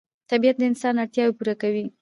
طبیعت د انسان اړتیاوې پوره کوي